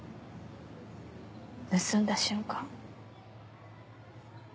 盗んだ瞬間